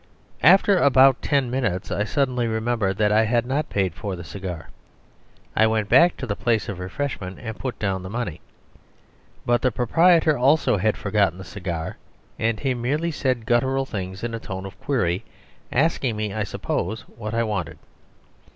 After about ten minutes, I suddenly remembered that I had not paid for the cigar. I went back to the place of refreshment, and put down the money. But the proprietor also had forgotten the cigar, and he merely said guttural things in a tone of query, asking me, I suppose, what I wanted.